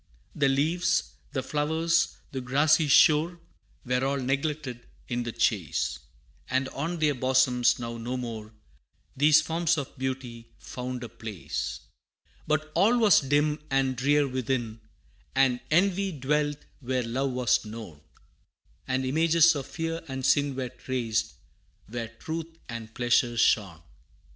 The leaves, the flowers, the grassy shore, Were all neglected in the chase, And on their bosoms now no more These forms of beauty found a place. But all was dim and drear within, And envy dwelt where love was known, And images of fear and sin Were traced, where truth and pleasure shone.